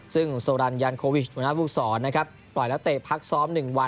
ซึ่งโซรันยันโควิชวรรณภูมิสอนนะครับปล่อยแล้วเตะพักซ้อมหนึ่งวัน